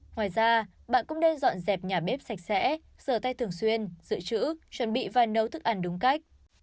ngoài ra bạn cũng nên dọn dẹp nhà bếp sạch sẽ sờ tay thường xuyên giữ chữ chuẩn bị và nấu thực ăn đúng cách